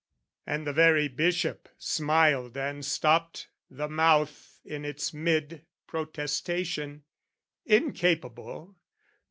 And the very Bishop smiled and stopped the mouth In its mid protestation. "Incapable?